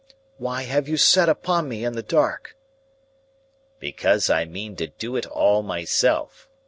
"Why have you set upon me in the dark?" "Because I mean to do it all myself.